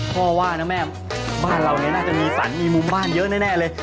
ว่านะแม่บ้านเราเนี่ยน่าจะมีสรรมีมุมบ้านเยอะแน่เลย